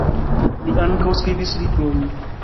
Li ankaŭ skribis librojn.